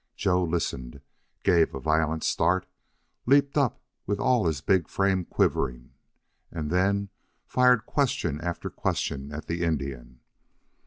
Joe Lake listened, gave a violent start, leaped up with all his big frame quivering, and then fired question after question at the Indian.